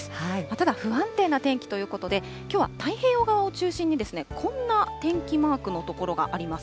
ただ不安定な天気ということで、きょうは太平洋側を中心にこんな天気マークの所があります。